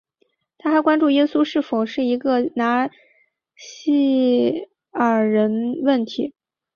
它还关注耶稣是否是一个拿细耳人问题。